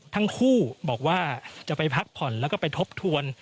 ทั้งคู่บอกว่าจะไปพักผ่อนแล้วก็ไปทบทวน